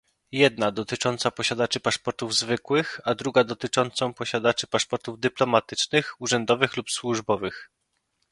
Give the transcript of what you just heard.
jedna dotycząca posiadaczy paszportów zwykłych, a druga dotyczącą posiadaczy paszportów dyplomatycznych, urzędowych lub służbowych